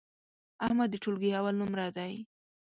احمد د ټولگي اول نمره دی.